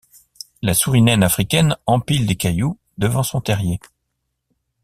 La souris naine africaine empile des cailloux devant son terrier.